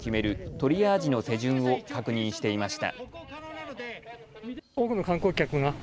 トリアージの手順を確認していました。